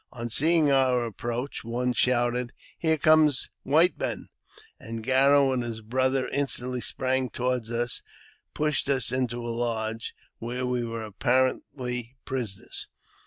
On seeing our approach, one shouted, " Here come white men !'* and Garro and his brother instantly sprang towards us and pushed us into a lodge, where we were apparently prisoners.